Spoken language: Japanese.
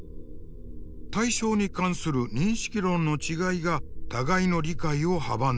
対象に関する認識論の違いが互いの理解を阻んでいる。